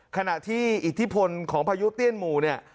ขณะที่อิทธิพลของพายุเตี้ยนหมู่เนี่ย